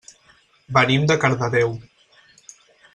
Venim de Cardedeu.